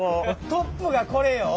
トップがこれよ？